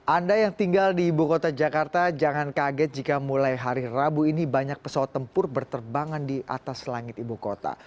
anda yang tinggal di ibu kota jakarta jangan kaget jika mulai hari rabu ini banyak pesawat tempur berterbangan di atas langit ibu kota